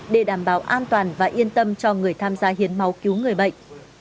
để đảm bảo an toàn và yên tâm cho người tham gia hiến máu cứu người bệnh